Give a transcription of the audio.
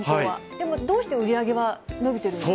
でもどうして売り上げは伸びてるんですか？